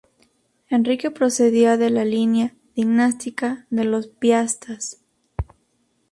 Enrique procedía de la línea dinástica de los Piastas.